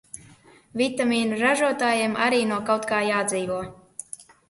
Vitamīnu ražotājiem arī no kaut kā jādzīvo...